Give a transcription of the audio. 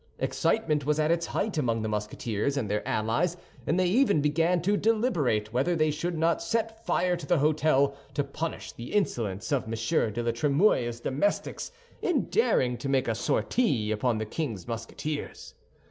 Excitement was at its height among the Musketeers and their allies, and they even began to deliberate whether they should not set fire to the hôtel to punish the insolence of M. de la Trémouille's domestics in daring to make a sortie upon the king's Musketeers.